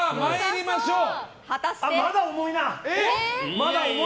まだ重いな。